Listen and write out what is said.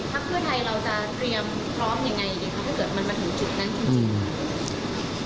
พักเพื่อไทยเราจะเตรียมพร้อมยังไงอย่างนี้ครับ